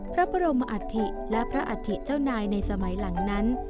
พระบรมอัฐิและพระอัฐิเจ้านายในสมัยหลังนั้น